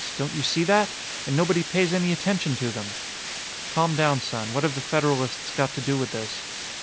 Don't you see that? And nobody pays any attention to them!" "Calm down, son. What have the Federalists got to do with this?"